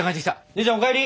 姉ちゃんお帰り！